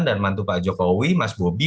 mantu pak jokowi mas bobi